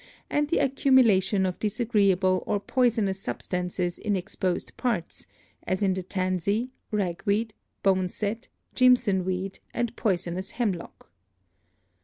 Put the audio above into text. and the accumulation of disagreeable or poisonous substances in exposed parts, as in the tansy, ragweed, boneset, jimson weed and poison ous hemlock.